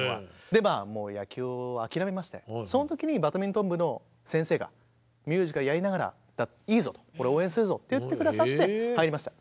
でもう野球を諦めましてその時にバドミントン部の先生がミュージカルやりながらいいぞと俺応援するぞって言って下さって入りました。